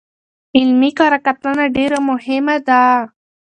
علمي کره کتنه ډېره مهمه ده.